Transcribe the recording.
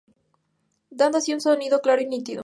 Dando así un sonido claro y nítido.